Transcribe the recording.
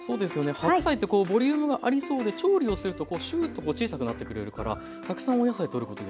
白菜ってこうボリュームがありそうで調理をするとこうシューッと小さくなってくれるからたくさんお野菜とることできますよね。